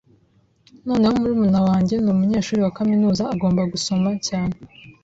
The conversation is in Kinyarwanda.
Noneho murumuna wanjye ni umunyeshuri wa kaminuza, agomba gusoma cyane.